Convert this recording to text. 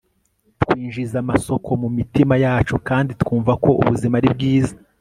Twinjiza amasoko mumitima yacu kandi twumva ko ubuzima ari bwiza